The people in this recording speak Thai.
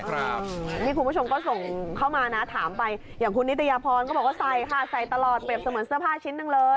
นี่คุณผู้ชมก็ส่งเข้ามานะถามไปอย่างคุณนิตยาพรก็บอกว่าใส่ค่ะใส่ตลอดเปรียบเสมือนเสื้อผ้าชิ้นหนึ่งเลย